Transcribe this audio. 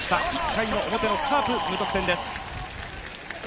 １回表のカープ、無得点です。